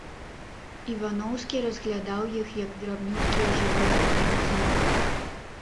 Іваноўскі разглядаў іх як драбнюткія жывыя арганізмы.